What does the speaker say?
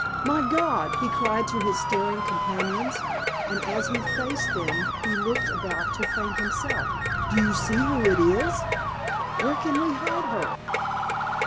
"My God!" he cried to his staring companions, and as he faced them he looked about to faint himself. "Do you see who it is? Where can we hide her?"